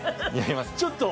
ちょっと。